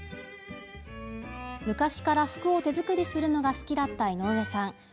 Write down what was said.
昔から服を手作りするのが好きだった井上さん。